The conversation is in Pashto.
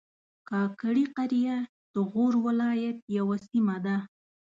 کاکړي قریه د غور ولایت یوه سیمه ده